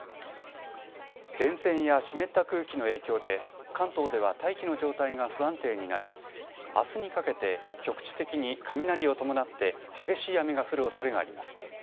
前線や湿った空気の影響で関東では大気の状態が不安定になりあすにかけて局地的に雷を伴って激しい雨が降るおそれがあります。